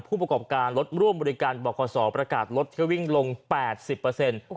ผู้ประกอบการรถร่วมบริการบอกขอสอประกาศลดเที่ยววิ่งลง๘๐เปอร์เซ็นต์